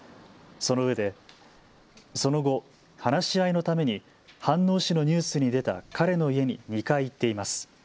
そのうえでその後、話し合いのために飯能市のニュースに出た彼の家に２回行っています。